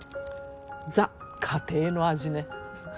ザ・家庭の味ね。